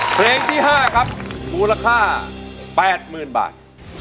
เพลงที่ห้าครับมูลค่าแปดหมื่นบาท